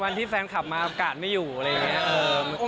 วันที่แฟนคลับมาอากาศไม่อยู่อะไรอย่างนี้